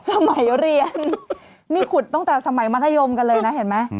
สมัยเรียนคุดตั้งแต่สมัยมัธยมกันเลยเห็นมั้ย